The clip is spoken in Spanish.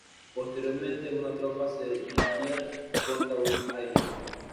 Posteriormente una tropa se dirigiría contra Buenos Aires.